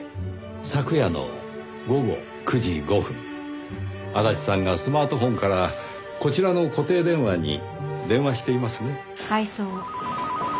昨夜の午後９時５分足立さんがスマートフォンからこちらの固定電話に電話していますね。